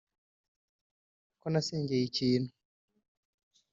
ko nasengeye ikintu